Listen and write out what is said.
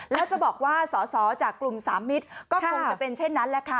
แล้วจะบอกว่าสอสอจากกลุ่มสามมิตรก็คงจะเป็นเช่นนั้นแหละค่ะ